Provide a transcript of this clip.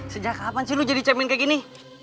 sejak kapan sih lo jadi champion kayak gini